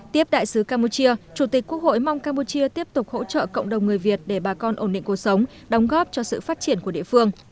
tiếp đại sứ campuchia chủ tịch quốc hội mong campuchia tiếp tục hỗ trợ cộng đồng người việt để bà con ổn định cuộc sống đóng góp cho sự phát triển của địa phương